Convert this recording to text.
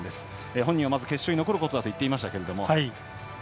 本人はまず決勝に残ることだと言っていましたけれども。